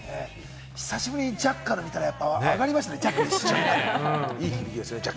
久しぶりにジャッカル見たら、アガりましたね。